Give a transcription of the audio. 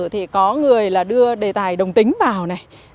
thì có người là đưa đề tài đồng tính vào này